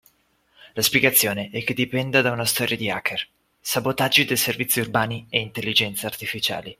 La spiegazione è che dipenda da una storia di hacker, sabotaggi dei servizi urbani e intelligenze artificiali